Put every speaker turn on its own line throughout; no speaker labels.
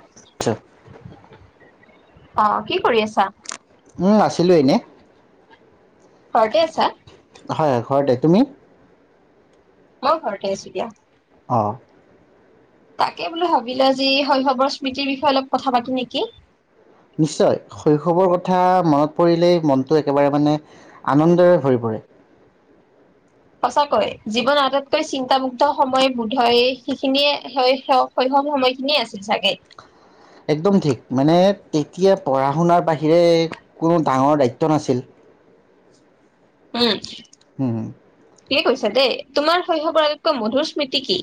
আচ্ছা।
অ কি কৰি আছা?
উম আছিলোঁ এনে,
ঘৰতে আছা?
হয় হয় ঘৰতে তুমি?
মই ঘৰতে আছো দিয়া।
অঁ।
তাকে বোলো ভাবিলো আজি শৈশৱৰ স্মৃতিৰ বিষয়ে অলপ কথা পাতো নেকি,
নিশ্চয় শৈশৱৰ কথা মনত পৰিলেই মনটো একেবাৰে মানে আনন্দৰে ভৰি পৰে,
সঁচাকৈ জীৱন আটাইতকৈ চিন্তামু্গ্ধ সময় বোধয়ে সেইখিনিয়ে শৈশৱ সময়খিনিয় আছিল চাগে।
একদম ঠিক মানে তেতিয়া পঢ়া শুনাৰ বাহিৰে কোনো ডাঙৰ দায়িত্ব নাছিল।
উম।
উম,
কি কৈছা দেই তোমাৰ শৈশৱোগ্য মধুৰ স্মৃতি কি?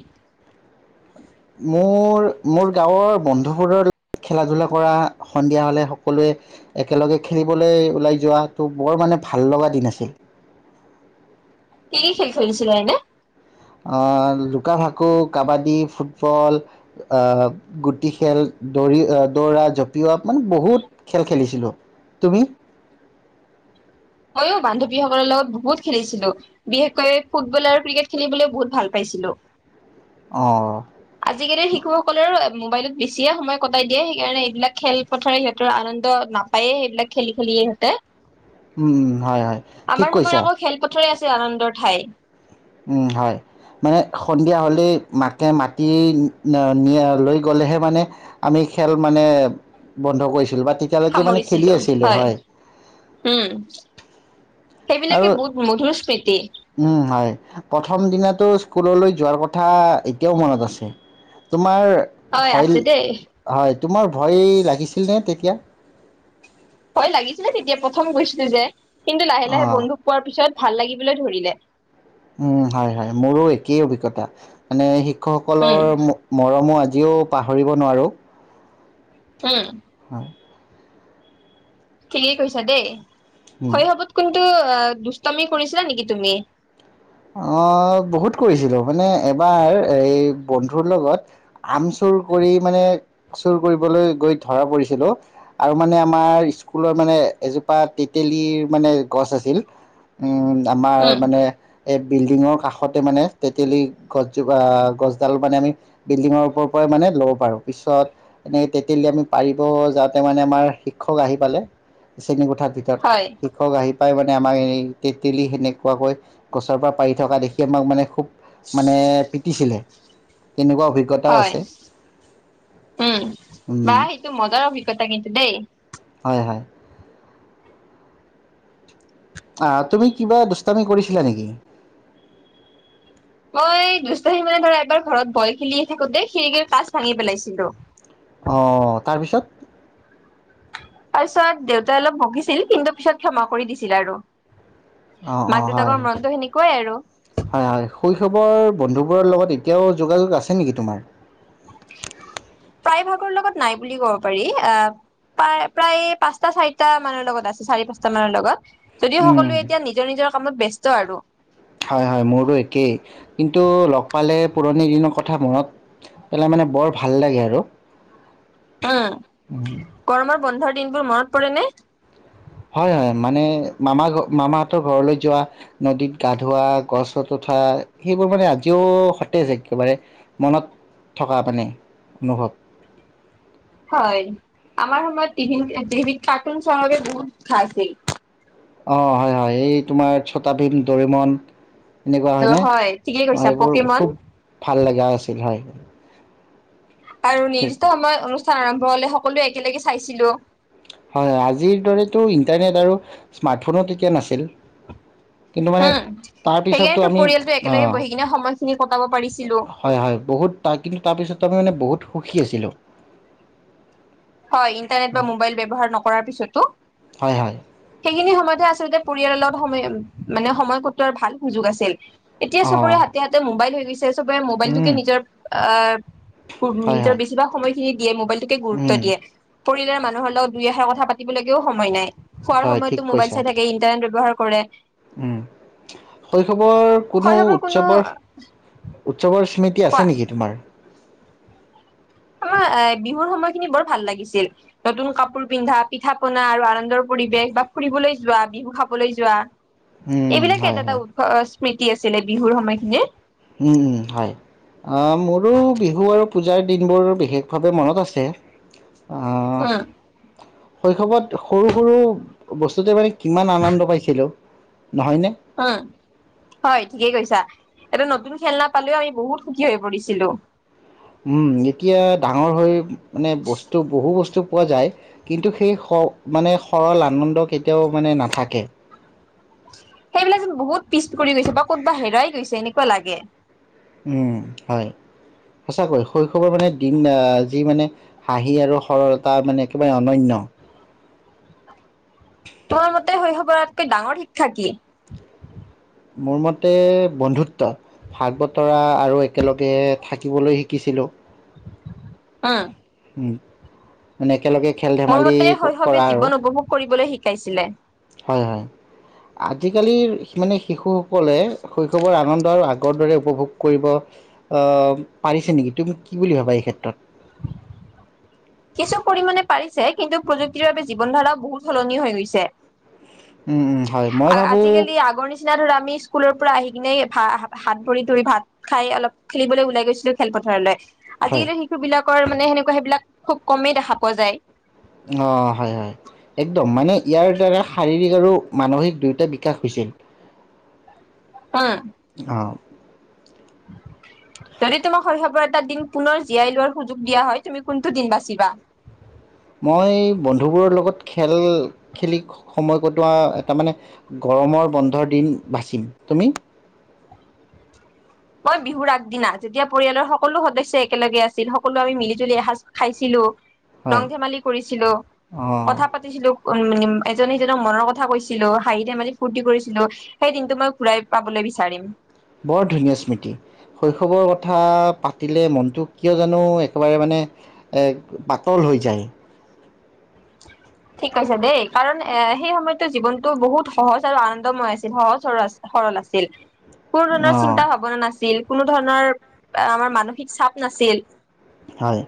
মোৰ মোৰ গাঁৱৰ বন্ধুবৰ্গৰ লগ খেলা ধূলা কৰা সন্ধিয়া হলে সকলোৱে একেলগে খেলিবলৈ ওলাই যোৱাাতটো বৰ মানে ভাল লগা দিন আছিল।
কি কি খেল খেলিছিলা এনে,
আহ লুকা ভাকু কাবাদী ফুটবল আহ গুটি খেল দৌৰি দৌৰা জপিওৱা মানে বহুত খেল খেলিছিলো তুমি।
মইো বান্ধৱীসকলৰ লগত বহুত খেলিছিলো বিশেষকৈ ফুটবল আৰু ক্ৰিকেট খেলিবলৈ বহুত ভাল পাইছিলো।
অঁ
আজিকালিৰ শিশুসকলৰো, মোবাইলত বেছিয়ে সময় কটাই দিয়ে সেইকাৰণে এইবিলাক খেলপথাৰ সিহঁতৰ আনন্দ নাপায়েই সেইবিলাক খেলি খেলিয়ে ইহঁতে,
হোম হোম হয় হয় ঠিক কৈছা।
আনন্দ ঠাই।
উম হয়। মানে সন্ধিয়া হ'লেই মাকে মাতি ন লৈ গ'লেহে মানে আমি খেল মানে বন্ধ কৰিছিলোঁ বাট।
সামৰিছিলো হয় উম সেইবিলাকে
আৰু
বহুত মধুৰ স্মৃতি।
উম হয় প্ৰথম দিনো স্কুললৈ যোৱাৰ কথা এতিয়াও মনত আছে তোমাৰ। তোমাৰ
হয়
ভয়
আছে দেই
হয় তোমাৰ ভয় লাগিছিল নে তেতিয়া?
ভয় লাগিছিলে তেতিয়া প্ৰথম গৈছিলো যে, কিন্তু লাহে
অ
লাহে বনধুপোৱাৰ পিছত ভাল লাগিবলৈ ধৰিলে।
উম হয় হয় মোৰো একেই অভিজ্ঞতা মানে হেই, শিক্ষক
উম
সকলৰ মৰমো আজি। আজিও পাহৰিব নোৱাৰোঁ।
উম।
হয়
ঠিকেই কৈছা দেই।
উম
শৈশৱত কিন্তু। অ দুষ্টামি কৰিছিলা নেকি তুমি?
অ বহুত কৰিছিলো মানে এবাৰ এই বন্ধুৰ লগত আম চুৰ কৰি মানে চুৰ কৰিবলৈ গৈ ধৰা পৰিছিলোঁ । আৰু মানে আমাৰ স্কুলৰ মানে এজোপা তেতেলীৰ মানে গছ আছিল উম। আমাৰ
উম
মানে। বিল্ডিঙৰ কাষতে মানে তেতেলি গছজোপা গছডাল মানে আমি বিল্ডিঙৰ ওপৰ পৰাই মানে ল'ব পাৰোঁ পিছত এনেকে তেতেলি আমি পাৰিব যাওঁতে মানে আমাৰ শিক্ষক আহি পালে। শ্ৰেনীকোঠাৰ ভিতৰত,
হয়
শিক্ষক আহি পাই মানে। মানে এই তেতেলী সেনেকুৱাকৈ। গছৰ পৰা পাৰি থকা দেখি আমাক মানে খুব। মানে পিটছিলে।
হয়, উম বা
উম,
সেইটো মজা অভিজ্ঞতা কিন্তু দেই।
হয় হয়। আহ! তুমি কিবা দুষ্টামি কৰিছিলা নেকি?
মই দুষ্টটাহি মানে ধৰা এবাৰ ঘৰত বল খেলি থাকোঁতে খিৰিকি গ্লাছ ভাঙি পেলাইছিলো।
অ তাৰপিছত।
তাৰপিছত দেউতাই অলপ বকিছিল কিন্তু পিছত ক্ষমা কৰি দিছিল আৰু।
অ'
মাক
অ' হয় হয়।
দেউতাকৰ মনতো সেনিক। কয় আৰু।
হয় হয় শৈশৱৰ বন্ধুবোৰৰ লগত এতিয়াও যোগাযোগ আছে নেকি তোমাৰ?
প্ৰায় ভাগৰ লগত নাই বুলি ক'ব পাৰি আহ প্ৰায় প্ৰায় পাঁচটা ছয়টা মানৰ লগত আছে চাৰি পাঁচটা মানৰ লগত। যদি
উম।
সকলোৱে এতিয়া নিজৰ নিজৰ কামত ব্যস্ত। ব্যস্ত আৰু।
হয় হয় মোৰো একেই কিন্তু লগ পালে পুৰণি দিনৰ কথা মনত পেলাই মানে বৰ ভাল লাগে আৰু।
উম গৰমৰ বন্ধৰ দিনবোৰ মনত। পৰে নে?
হয় হয় মানে মামা মামাহতৰ ঘৰলৈ যোৱা, নদীত গা ধোৱা, গছত উঠা সেইবোৰ মানে আজিও সতেজ একেবাৰে মনত থকা মানে অনুভৱ।
হয় আমাৰ সময়ত টিভি টিভিত কাৰ্টুন চোৱাৰ ভাৱে বহুত খচ আছিল।
অ হয় হয় এই তোমাৰ ছটাভিম, দৰিমন। এনেকুৱা হয়নে?
হয় ঠিকেই কৈছা
সেইবোৰ
পকেমন
খুব ভাল লগা আছিল হয়।
আৰু
ঠিক
নিদিষ্ট সময়ত অনু। স্থান আৰম্ভ হলে সকলোৱে একেলগে চাইছিলো।
হয় আজিৰ দৰেতো ইণ্টাৰনেট আৰু স্মাৰ্টফোনো তেতিয়া নাছিল। কিন্তু
উম
মানে তাৰপিছতো
সেইকাৰণে তোৰ
আমি
পৰিয়ালটো
অ
একেলগে বহি কিনে সময়
হয় হয় বহুত তাৰকিটিঙ তাৰ পিছতো। তাৰ মানে বহুত সুখী আছিলো
হয় ইন্টাৰনেট বা মোবাইল ব্যৱহাৰ নক কৰাৰ পিছতো
হয় হয়
সখিনি সময়তহে আচলতে পৰিয়ালৰ লগত সময় মানে সময় কটোৱাৰ ভাল সুযোগ আছিল এতিয়া
অ
চবৰে হাতে হাতে মোবাইল হৈ ত মবাইলটোকে
উম
নিজৰ
হয়
নিজৰ
হয়
বেছিভাগ সময়খিনি এ মোবাইলটো? ত
উম
দিয়ে পৰিয়ালৰ মানুহৰ লগত দুই এষা কথা পাতিবলৈকেও সময় নাই। খোৱাৰ
হয় ঠিক
সময়তো মোবাইল
কৈছা
চাই থাক ইটাৰনেট ব্যৱহাৰ। কৰে।
উম শৈশৱৰ কোনো উৎসৱৰ উৎসৱৰ স্মৃতি।
কোৱা
আছে নেকি তোমাৰ। [unintelligible] [unintelligible]
আাৰ এ বিহুৰ সময়খিনি বৰ ভাল লাগিছিল নতুন কাপোৰ পিন্ধা পিঠা পনা আৰু আনন্দৰ পৰিৱেশ বা ফুৰিবলৈ যোৱা বিহু খাবলৈ যোৱা।
উম
এইবিলাকে
হয়
এটা এটা
হয়
উৎসৱ স্মৃতি আছিলে বিহুৰ সময়খিনি।
হয় মোৰো বিহু আৰু পূজাৰ দিনবোৰ বিশেষভাৱে মনত আছে। আহ
উম
শৈশৱত সৰু সৰু বস্তুতে মানে কিমান আনন্দ পাইছিলো?
উম হয় ঠিকেই কৈছা? এটা নতুন খেলা পালেও আমি বহুত সুখী হৈ পৰিছিলো?
উম এতিয়া ডাঙৰ হৈ মানে বস্তু বহু বস্তু পোৱা যায় কিন্তু সেই মানে সৰল আনন্দ কেতিয়াও মানে নাথাকে।
সেইবিলাক যেন বহুত পিছ পৰি গৈছে বা ক'তবা হেৰাই গৈছে এনেকুৱা লাগে।
উম হয় সঁচাকৈ শৈশৱৰ মানে দিন আহ যি মানে হাঁহি আৰু সৰলতা মানে একেবাৰে অননয়।
তোমাৰ মতে শৈশৱ আতকৈ ডাঙৰ শিক্ষা কি।
মোৰ মতে বন্ধুত্ব ভাগ বতৰা আৰু একেলগে থাকিবলৈ শিকিছিলো?
উম
উ মানে। একেলগে খেল
মোৰ
ধেমালি কৰা আৰু।
কাইছিলে?
আজি কালি মানে শিশুসকলে শৈশৱৰ আনন্দ আৰু আগৰ দ উপভোগ কৰিব আহ পাৰিছে নেকি তুমি কি বুলি ভাবা এই ক্ষেত্ৰত।
কিছু পৰিমাণে পাৰিছে কিন্তু প্ৰযুক্তিৰ বাবে জীৱন ধাৰাও বহুত সলনি হৈ গৈছে?
হয় মই ভাবোঁ।
আজিকালি আগৰ নিচিনা ধৰা আমি স্কুলৰ পৰা আহি কিনে ভ হাত ভৰি ধৰি ভাত খাই অলপ খেলিবলৈ ওলাই গৈছিলো খেলপথাৰলৈ।
হয়
আজিৰে শিশুবিলাক? মানে সেনেকা সেইবিলাক। খুব কমেই দেখা পোৱা যায়।
অ হয় হয় একদম মানে ইয়াৰ দ্বাৰা শাৰীৰিক আৰু মানসিক দুয়োটা বিকাশ হৈছিল?
উম
অ [unintelligible] [unintelligible]
যদি তোমাক শৈশৱৰ এটা দিন পুনৰ জীয়াই লোৱাৰ সুযোগ দিয়া হয় তুমি কোনটো দিন বাচিবা।
মই বন্ধুবোৰৰ লগত খেল খেলি সময় কটোৱা এটা মানে গৰমৰ বন্ধৰ দিন বাচিম তুমি।
মই বিহুৰ আগদিনা যেতিয়া পৰিয়ালৰ সকলো সদস্যয় একেলগে আছিল সকলো আমি মিলিজুলি এসাঁজ খাইছিলোঁ?
হয়
ৰং ধেমালি কৰিছিলো
অ
কথা পাতিছিলো? মই এজন সিজনক মনৰ কথা কৈছিলো হাঁহি ধেমালিত ফূুৰ্তি কৰিছিলো সেই দিনটো মই ঘূৰাই পাবলৈ বিচাৰিম
বৰ ধুনীয়া স্মৃতি শৈশৱৰ কথা পাতিলে মনটো কিয় জানো একেবাৰে মানে পাতল হৈ যায়
ঠিক কৈছে দেই কাৰণ এ সেই সময়তো জীৱনতটো বহুত সহজ আৰু আনন্দময় আছিল সহজ সৰল সৰল আছিল কোনো ধৰণৰ চিন্তা
অঁ
ভাৱনা নাছিল কোনো ধৰণৰ আমাৰ মানসিক চাপ নাছিল
হয়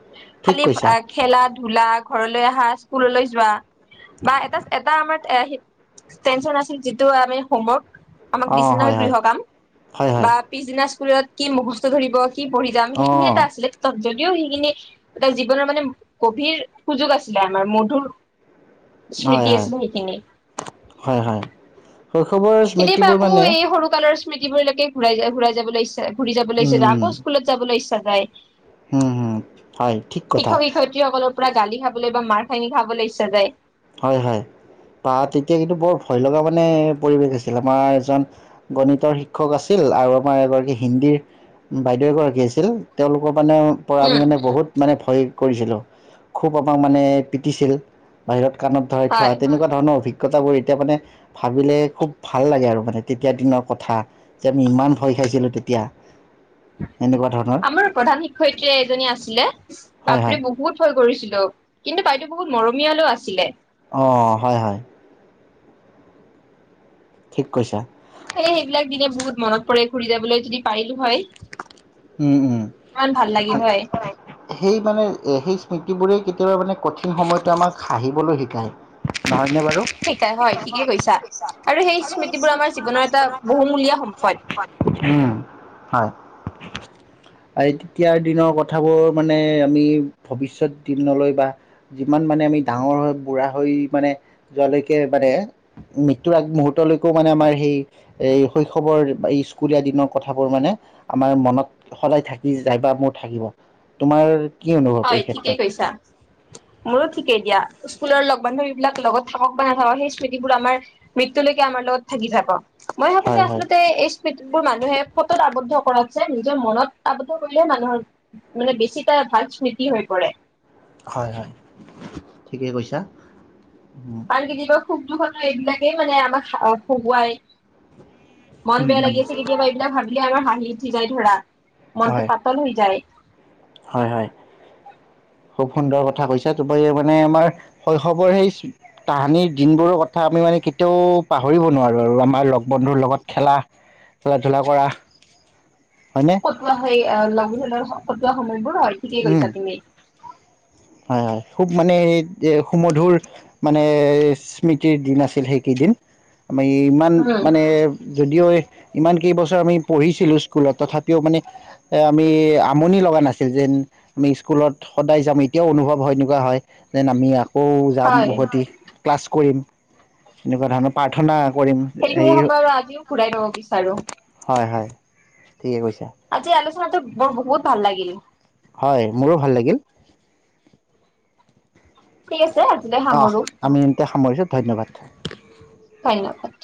ঠিক
খালি
কৈছা
খেলাত ধোলা ঘৰলৈ অহা স্কুললৈ বা এ এটা আমাৰ টেনচন আছিল যিটো আমি হোমৱৰ্ক আমাক
অঁ
দিছিল নহয়
হয়
গৃহ
হয়
কাম
হয় হয়
বা পিছদিনা স্কুলত কি মুখস্ত ধৰিব কি পঢ়ি যাম সেইখিনিয়ে
অঁ
এটাছিলে ত যদিও সেইখিনি এটা জীৱনৰ মানে গভীৰ সুযোগ আছিলে আমাৰ মধুৰ
হয়
স্মৃতি
হয়
আছিলে সেইখিনি
হয় হয় শৈশৱৰ
কেতিয়াবা
স্মৃতিবোৰ
আকৌ
মানে
এই সৰু কালৰ স্মৃতিবোৰলৈকে ঘূৰাই যায় ঘুৰা যাবলৈ ইচ্ছে ঘুৰি যাবলৈ ইচ্ছা যে আকৌ স্কুলত যাবলৈ ইচ্ছা যাই
উম হম হয় ঠিক কথা
পুৰা গালি খাবলৈ বা মাৰ খানি খাবলৈ ইচ্ছা যায়
হয় হয় বা তেতিয়া কিন্তু বৰ ভয় লগা মানে পৰিৱেশ আছিল আমাৰ এজন গণিতৰ শিক্ষক আছিল আৰু আমাৰ এগৰাকী হিন্দীৰ বাইদেউ এগৰাকী আছিল তেওঁলোকক মানে পৰা
উম
মানে বহুত মানে ভয় কৰিছিলোঁ খুব আমাক মানে পিটিছিল বাহিৰত কানত ধৱাই থোৱা
হয়
তেনেকোৱা ধৰণৰ অভিকগতা অভিজ্ঞতাবোৰ এতিয়া মানে ভাবিলে খুব ভাল লাগে আৰু মানে তেতিয়াৰ দিনৰ কথা যে আমি ইমান ভয় খাইছিলো তেতিয়া এনেকুৱা ধৰণৰ
আমাৰ প্ৰধান শিক্ষয়িত্ৰী এজনী আছিলে
হয় হয়
বাপৰে বহুত ভয় কৰিছিলো কিন্তু বাইদেউ বহুত মৰমীয়ালৈ আছিলে
অ হয় হয়। ঠিক কৈছা।
স সেইবিলাক দিনে বহুত মনত পৰে ঘূৰি যাবলৈ যদি। পাৰিলো হয়
উম উম
কিমান ভাল লাগিল হয়
সেই মানে এ সেই স্মৃতি। বোৰে কেতিয়াবা মানে কঠিন সময়ত আমাক হাঁহিবলৈ শিকায়। নহয়নে বাৰু
শিকাই হয় ঠিকেই
থিকেই কৈছা আৰু সেই স্মৃতিবোৰ আমাৰ জীৱনৰ এটা বহুমুলীয়া সম্পদ হয় আৰু তেতিয়াৰ দিনৰ কথাবোৰ মানে আমি ভবিষ্যত দিন নলৈ বা যিমান মানে আমি ডাঙৰ হৈ বুঢ়া হৈ মানে যোৱালৈকে মানে মৃত্যুৰ আগমহুৰ্তলৈকেও মানে আমাৰ সেই এই শৈশৱৰ স্কুলীয়া দিনৰ কথাবোৰ মানে। আমাৰ মনত সদায় থাকি যাই বা মোৰ থাকিব তোমাৰ। কি অনুভৱ
হয়
এই
ঠিকেই
ক্ষেত্ৰত?
কৈছা, মোৰো ঠিকেই দিয়া। স্কুলৰ লগ বান্ধৱীবিলাক লগত থাকক বা নাথাকক, সেই স্মৃতিবোৰ আমাৰ মৃত্যুলৈকে আমাৰ লগত থাকি যাব। মই ভাবো যে
হয়, হয়,
আচলতে এই বোৰ মানুহে ফটোত আৱদ্ধ কৰাতছে নিজৰ মনত আৱদ্ধ কৰিলেহে মানুহৰ মানে বেছি এটা ভাল। স্মৃতি হৈ পৰে।
হয়, হয় ঠিকেই কৈছা। উম,
কালি কি দিবস? সুখ, দুখনো এইবিলাকেই মানে আমাক হহুৱাই মন
উম,
বেয়া
উম,
লাগি আছে, কেতিয়াবা এইবিলাক ভাবিলে আমাৰ ভ। ঠিক, ঠিকেই ধৰা। মনটো
হয়।
পাতল হৈ যায়।
হয়, হয় খুব সুন্দৰ কথা কৈছা, তুমি মানে আমাৰ শৈশৱৰ সেই তাহানিৰ দিনবোৰৰ কথা আমি মানে কেতিয়াও পাহৰিব নোৱাৰোঁ, আৰু আমাৰ লগ বন্ধুৰ লগত খেলা, খেলা- ধূলা কৰা। হয়নে
কটোৱা হৈয়ে লগ বন্ধুৰ লগত পোৱা সময়বোৰ অ, ঠিকে কৈছা তুমি।
অ খুব মানে সুমধুৰ মানে স্মৃতিৰ দিন আছিল, সেইকেইদিন। আমাৰ ইমান
উম
মানে। যদিও, ইমান কেইবছৰ আমি পঢ়িছিলোঁ, স্কুলত তথাপিও মানে আমি আমনি লগা নাছিল, যেন আমি স্কুলত সদায় যামে। এতিয়াও অনুভৱ হয়, এনেকুৱা হয় যেন আমি। অ যাম
হয়।
উভতি ক্লাছ কৰিম। এনেকুৱা ধৰণৰ প্ৰাৰ্থনা। কৰিম
সেইখিনি,
হেৰি
সময় আৰু আজিও ঘূৰাই ল'ব বিচাৰো।
হয় -হয়। ঠিকে কৈছা।
মইতো বহুত ভাল লাগিল।
হয়, মোৰো ভাল লাগিল।
ঠিক আছে [unintelligible]
অহ,
সামৰো
আমি এয়া সামৰিছোঁ ধন্যবাদ।
ধন্যবাদ।